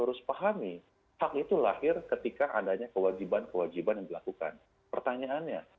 harus pahami hak itu lahir ketika adanya kewajiban kewajiban yang dilakukan pertanyaannya